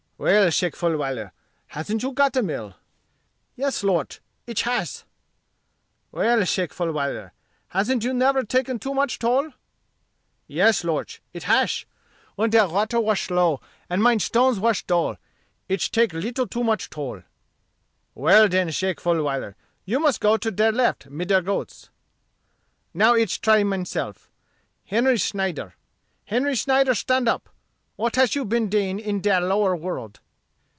"Well, Shake Fulwiler, hasn't you got a mill?" "Yes, Lort, ich hash." "Well, Shake Fulwiler hasn't you never taken too much toll?" "Yes Lort, ich hash; when der water wash low, and mein stones wash dull, ich take leetle too much toll." "Well, den, Shake Fuhviler, you must go to der left mid der goats." "Now ich try menself. Henry Snyder, Henry Snyder, stand up. What hash you bin dain in die lower world?"